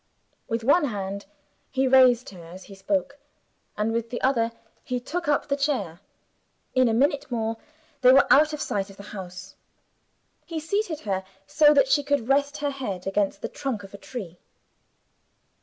With one hand he raised her as he spoke and with the other he took up the chair. In a minute more, they were out of sight of the house. He seated her so that she could rest her head against the trunk of a tree.